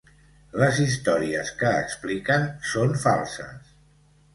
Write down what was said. Les històries que expliquen són falses.